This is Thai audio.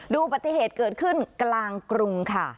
อุบัติเหตุเกิดขึ้นกลางกรุงค่ะ